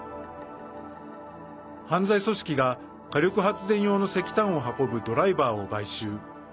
犯罪組織が火力発電用の石炭を運ぶドライバーを買収。